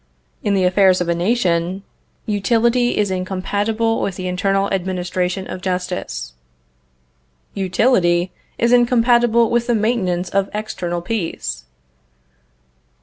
In the affairs of a nation, Utility is incompatible with the internal administration of justice. Utility is incompatible with the maintenance of external peace.